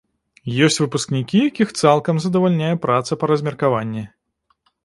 Ёсць выпускнікі, якіх цалкам задавальняе праца па размеркаванні.